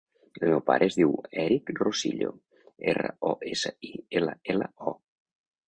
El meu pare es diu Eric Rosillo: erra, o, essa, i, ela, ela, o.